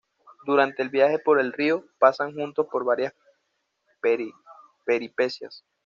Durante el viaje por el río, pasan juntos por varias peripecias.